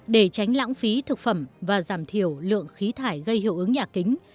để tránh lãng phí thực phẩm và giảm thiểu lượng khí thải gây hiệu ứng nhà kính